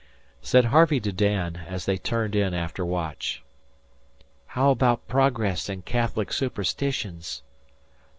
Said Harvey to Dan, as they turned in after watch: "How about progress and Catholic superstitions?"